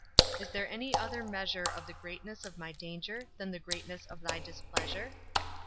Is there any other measure of the greatness of my danger, than the greatness of thy displeasure?